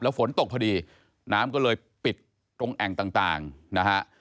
ฝนตกพอดีน้ำก็เลยปิดตรงแอ่งต่างนะฮะ